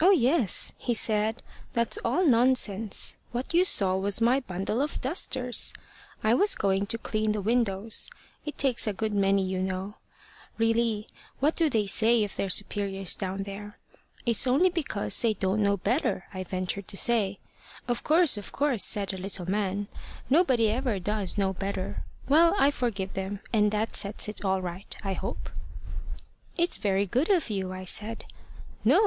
"Oh, yes! He said: `That's all nonsense. What you saw was my bundle of dusters. I was going to clean the windows. It takes a good many, you know. Really, what they do say of their superiors down there!' `It's only because they don't know better,' I ventured to say. `Of course, of course,' said the little man. `Nobody ever does know better. Well, I forgive them, and that sets it all right, I hope.' `It's very good of you,' I said. `No!'